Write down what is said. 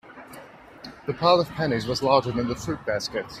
The pile of pennies was larger than the fruit basket.